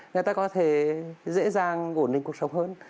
người ta có thể dễ dàng ổn định cuộc sống hơn